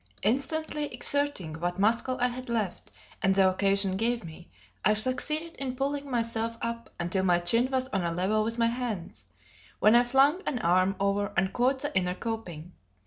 Instantly exerting what muscle I had left, and the occasion gave me, I succeeded in pulling myself up until my chin was on a level with my hands, when I flung an arm over and caught the inner coping.